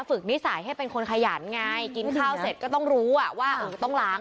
นิสัยให้เป็นคนขยันไงกินข้าวเสร็จก็ต้องรู้อ่ะว่าเออต้องล้าง